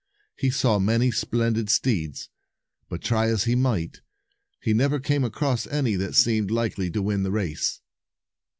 He saw many splendid steeds, but, try as he might, he never came across any that seemed likely to win the race.